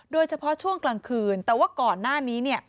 โดยเฉพาะช่วงกลางคืนแต่ว่าก่อนหน้านี้เนี่ย